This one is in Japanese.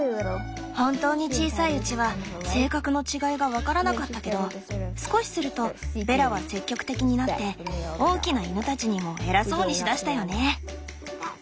本当に小さいうちは性格の違いが分からなかったけど少しするとベラは積極的になって大きな犬たちにも偉そうにしだしたよね。